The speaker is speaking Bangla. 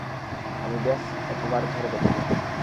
আমি ব্যাস একবার ধরে দেখবো।